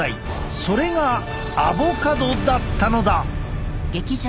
それがアボカドだったのだ！